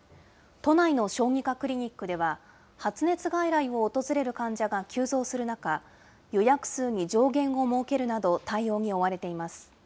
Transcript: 都内の小児科クリニックでは、発熱外来を訪れる患者が急増する中、予約数に上限を設けるなど、対応に追われています。